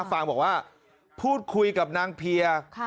ฟังบอกว่าพูดคุยกับนางเพีย